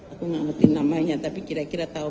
aku gak ngerti namanya tapi kira kira tau